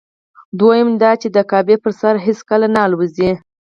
دویمه دا چې د کعبې پر سر هېڅکله نه الوزي.